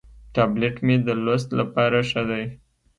ټابلیټ مې د لوست لپاره ښه دی.